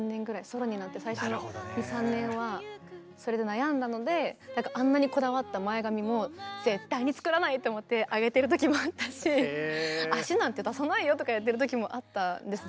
ソロになって最初の２３年はそれで悩んだのであんなにこだわった前髪も絶対に作らないと思って上げてる時もあったし脚なんて出さないよとかやってる時もあったんです